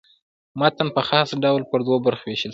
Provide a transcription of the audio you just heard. متن په خاص ډول پر دوو برخو وېشل سوی.